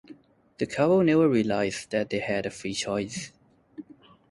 The couple never realised that they had a free choice.